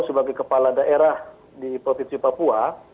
sebagai kepala daerah di provinsi papua